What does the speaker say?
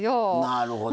なるほどね。